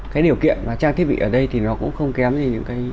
cái điều kiện trang thiết bị ở đây thì nó cũng không kém gì